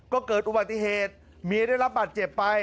ก็เกิดอุบัติเหตุเมียได้รับบาดเจ็บไป